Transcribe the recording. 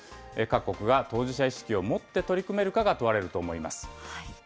各国が当事者意識を持って取り組めるかが問われると思います。